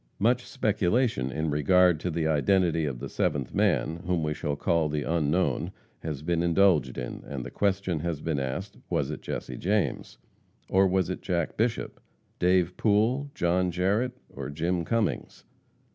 Much speculation in regard to the identity of the seventh man, whom we shall call the Unknown, has been indulged in, and the question has been asked, Was it Jesse James? or was it Jack Bishop, Dave Pool, John Jarrette or Jim Cummings?